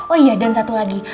oh iya dan satu lagi